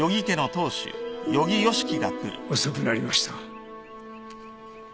遅くなりました。